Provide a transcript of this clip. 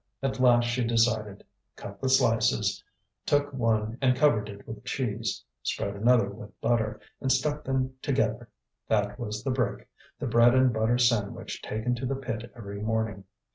At last she decided, cut the slices, took one and covered it with cheese, spread another with butter, and stuck them together; that was the "brick," the bread and butter sandwich taken to the pit every morning.